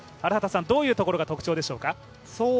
どういうところが特徴でしょうか？